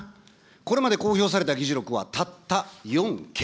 これまで公表された議事録はたった４件。